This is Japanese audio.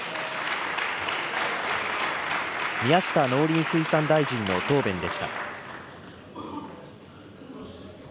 宮下農林水産大臣の答弁でした。